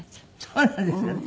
そうなんですか？